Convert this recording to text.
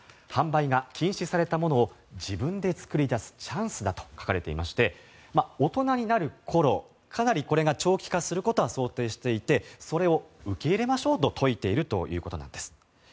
販売が禁止されたものを自分で作り出すチャンスだと書かれていまして大人になるころかなり、長期化することは想定していてそれを受け入れましょうと説いているということなんです。